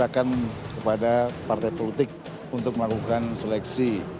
kepada partai politik untuk melakukan seleksi